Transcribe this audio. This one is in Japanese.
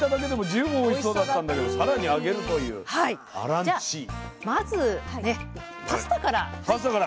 じゃあまずねパスタからどうぞ。